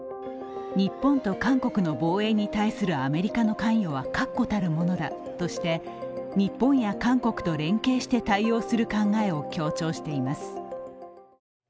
日本と韓国の防衛に対するアメリカの関与は確固たるものだとして日本や韓国と連携して対応する考えを強調しています。